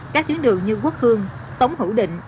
các chuyến đường như quốc hương tống hữu định